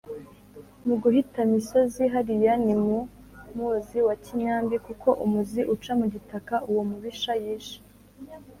mu gihitamisozi hariya ni mu muzi wa kinyambi, kuko umuzi uca mu gitaka. uwo mubisha yishe